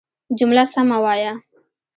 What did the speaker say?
جمله سمه وايه!